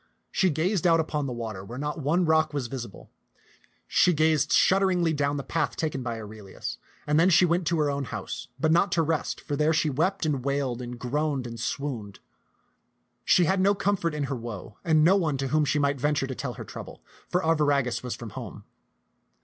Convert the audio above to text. She gazed out upon the water, where not one rock was visible ; she gazed shudderingly down the path taken by Aurelius ; and then she went to her own house; but not to rest, for there she wept and wailed and groaned and swooned. t^t<^x(xnU\n'0tixk 197 She had no comfort in her woe and no one to whom she might venture to tell her trouble, for Arviragus was from home.